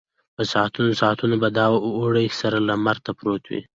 په ساعتونو ساعتونو به د اوړي سره لمر ته پروت و.